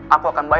aku akan berjalan